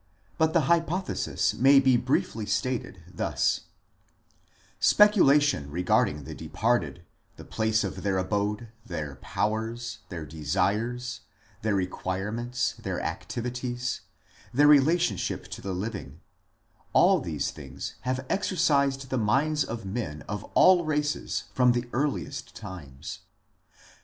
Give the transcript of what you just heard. But the hypothesis may be briefly stated thus : Speculation regarding the departed, the place of their abode, their powers, their desires, their requirements, their activities, their relationship to the living all these things have exercised the minds of men of all races from the earliest times.